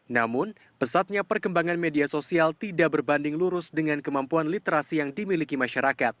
namun pesatnya perkembangan media sosial tidak berbanding lurus dengan kemampuan literasi yang dimiliki masyarakat